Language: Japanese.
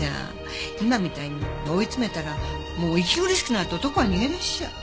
今みたいに追い詰めたらもう息苦しくなって男は逃げ出しちゃう。